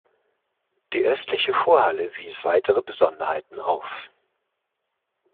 Die östliche Vorhalle wies weitere Besonderheiten auf.